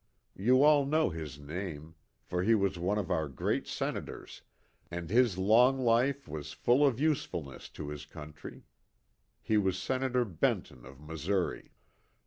You all know his name, for he was one of our great senators, and his long life was full of usefulness to his country he was Senator Benton of Missouri.